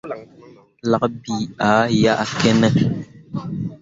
Lak bii ah ɗyakkene ?